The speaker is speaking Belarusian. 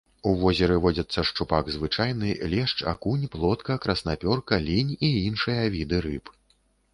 У возеры водзяцца шчупак звычайны, лешч, акунь, плотка, краснапёрка, лінь і іншыя віды рыб.